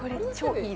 いい！